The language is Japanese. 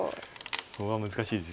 コウは難しいです。